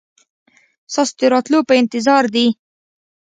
ستاسو د راتلو په انتظار دي.